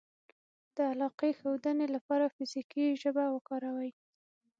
-د علاقې ښودنې لپاره فزیکي ژبه وکاروئ